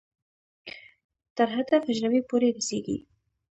تر هدف حجرې پورې رسېږي.